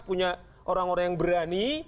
punya orang orang yang berani